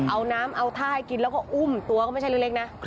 เอาน้ำเอาท่าให้กินแล้วก็อุ้มตัวก็ไม่ใช่เล็กนะ